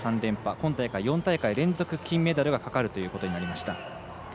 今大会４大会連続金メダルがかかることになりました。